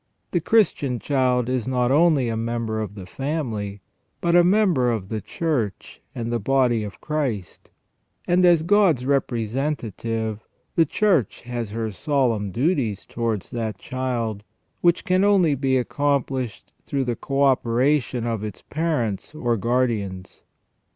The Christian child is not only a member of the family, but a member of the Church and body of Christ, and, as God's representative, the Church has her solemn duties towards that child, which can only be accomplished through the co operation of its parents or guardians.